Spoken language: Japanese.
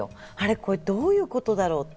これどういうことだろう？って